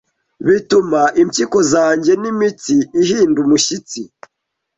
Bituma impyiko zanjye n'imitsi ihinda umushyitsi